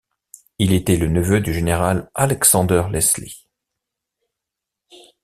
Il était le neveu du général Alexander Leslie.